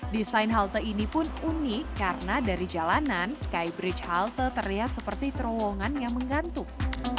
desain halte ini pun unik karena dari jalanan skybridge halte terlihat seperti terowongan yang menggantung